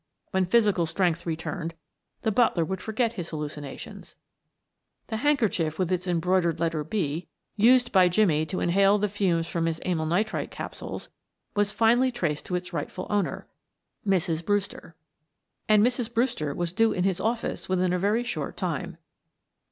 When physical strength returned, the butler would forget his hallucinations. The handkerchief with its embroidered letter "B," used by Jimmie to inhale the fumes from his amyl nitrite capsules, was finally traced to its rightful owner Mrs. Brewster. And Mrs. Brewster was due in his office within a very short time.